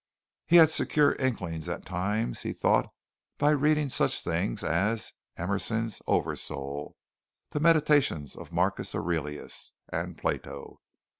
He had secured inklings at times, he thought, by reading such things as Emerson's "Oversoul," "The Meditations of Marcus Aurelius," and Plato.